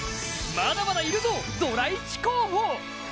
まだまだいるぞ、ドラ一候補。